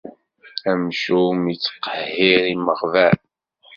Amcum ittqehhir imeɣban.